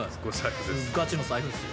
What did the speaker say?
ガチの財布っすよ。